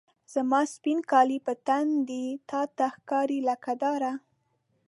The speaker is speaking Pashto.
زما سپین کالي په تن دي، تا ته ښکاري لکه داره